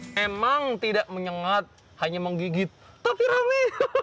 memang tidak menyengat hanya menggigit tapi rame